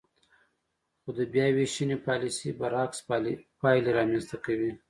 خو د بیاوېشنې پالیسۍ برعکس پایلې رامنځ ته کوي.